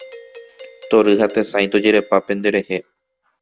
Tory ha tesãi tojerepa penderehe.